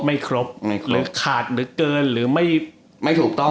หรือขาดหรือเกินหรือไม่ถูกต้อง